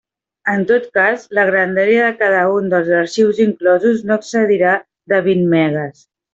En tot cas, la grandària de cada un dels arxius inclosos no excedirà de vint megues.